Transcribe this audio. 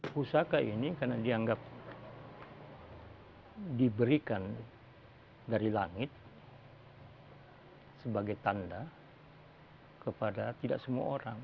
pusaka ini karena dianggap diberikan dari langit sebagai tanda kepada tidak semua orang